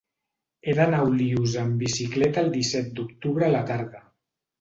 He d'anar a Olius amb bicicleta el disset d'octubre a la tarda.